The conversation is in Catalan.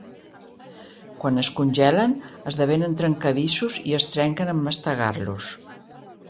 Quan es congelen, esdevenen trencadissos i es trenquen en mastegar-los.